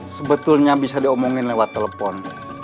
sebetulnya bisa diomongin lewat telepon